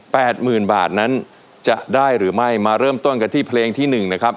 หมื่นบาทนั้นจะได้หรือไม่มาเริ่มต้นกันที่เพลงที่หนึ่งนะครับ